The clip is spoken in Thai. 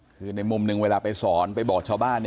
คือในมุมหนึ่งเวลาไปสอนไปบอกชาวบ้าน